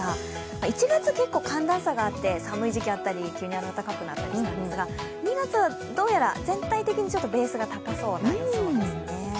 １月、結構寒暖差があって、寒い時期があったり、急に暖かくなったりしましたが、２月はどうやら全体的にベースが高そうになりそうですね。